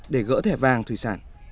để gỡ thẻ vàng thủy sản